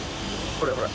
これほら。